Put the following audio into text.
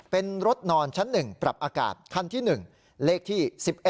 เป็นรถนอนชั้น๑ปรับอากาศคันที่๑เลขที่๑๑